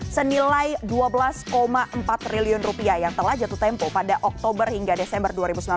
senilai rp dua belas empat triliun rupiah yang telah jatuh tempo pada oktober hingga desember dua ribu sembilan belas